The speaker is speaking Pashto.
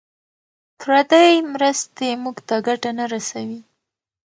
پردۍ مرستې موږ ته ګټه نه رسوي.